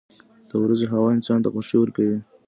• د ورځې هوا انسان ته خوښي ورکوي.